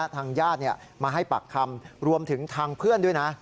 ทางญาติมาให้ปากคำรวมถึงทางเพื่อนด้วยนะ